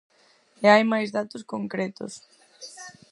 E hai máis datos concretos.